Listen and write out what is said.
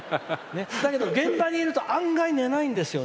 現場にいると案外、寝ないんですよね。